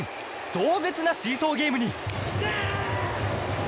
壮絶なシーソーゲームに。